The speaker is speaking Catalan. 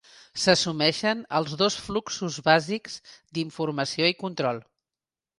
S'assumeixen els dos fluxos bàsics d'informació i control.